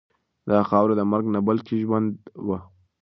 دا خاوره د مرګ نه بلکې د ژوند وه.